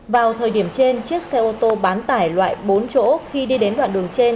vào thời điểm trên chiếc xe ô tô bán tải loại bốn chỗ khi đi đến đoạn đường trên